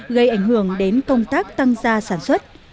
gây ảnh hưởng đến công tác tăng gia sản xuất